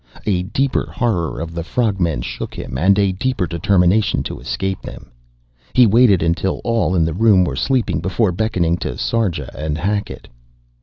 A deeper horror of the frog men shook him, and a deeper determination to escape them. He waited until all in the room were sleeping before beckoning to Sarja and Hackett.